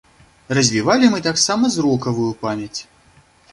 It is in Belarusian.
Развівалі мы таксама зрокавую памяць.